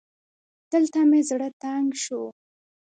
دلته مې زړه تنګ شو